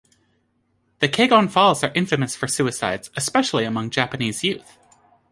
The Kegon Falls are infamous for suicides, especially among Japanese youth.